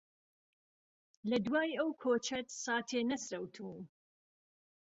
له دوای ئهو کۆچهت ساتێ نهسرهوتووم